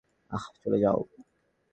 আহ, চলে যাও!